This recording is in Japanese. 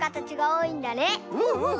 うんうん。